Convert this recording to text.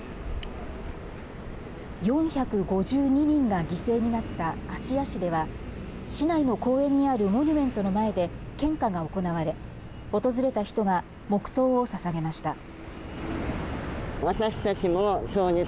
４５２人が犠牲になった芦屋市では市内の公園にあるモニュメントの前で献花が行われ訪れた人が黙とうをささげました。